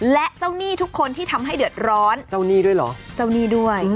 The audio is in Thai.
และเจ้าหนี้ทุกคนที่ทำให้เดือดร้อนเจ้าหนี้ด้วยเหรอเจ้าหนี้ด้วย